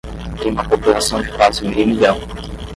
Tem uma população de quase meio milhão.